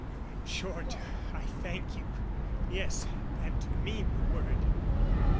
In short I thank you, yes, and mean the word.